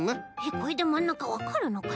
これでまんなかわかるのかな？